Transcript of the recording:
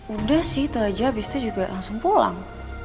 udah sih itu aja habis itu juga langsung pulang